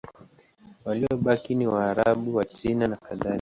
Waliobaki ni Waarabu, Wachina nakadhalika.